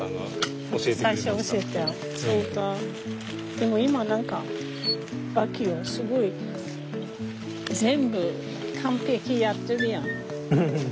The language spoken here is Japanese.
でも今何かバッキーはすごい全部完璧やってるやん。